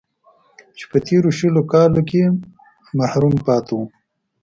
چې په تېرو شل کالو کې محروم پاتې و